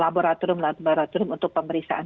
laboratorium laboratorium untuk pemeriksaan